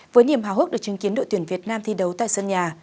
với niềm hào hức được chứng kiến đội tuyển việt nam thi đấu tại sân nhà